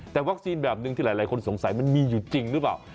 แต่วัคซีนแบบหนึ่งที่หลายคนสงสัยมันมีอยู่จริงหรือเปล่า